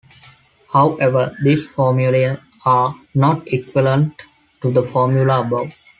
However, these formulae are not equivalent to the formula above.